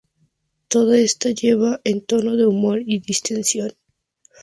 Todo está llevado en tono de humor y distensión.